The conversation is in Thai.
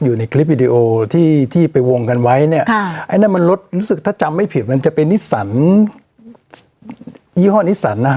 อยู่ในคลิปวิดีโอที่ที่ไปวงกันไว้เนี่ยไอ้นั่นมันรถรู้สึกถ้าจำไม่ผิดมันจะเป็นนิสสันยี่ห้อนิสันนะฮะ